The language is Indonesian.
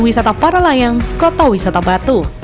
wisata para layang kota wisata batu